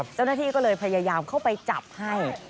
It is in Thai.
เจ้าหน้าที่ก็เลยพยายามเข้าไปจับให้